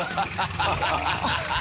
ハハハハ！